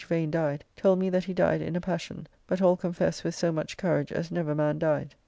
Vane died, told me that he died in a passion; but all confess with so much courage as never man died.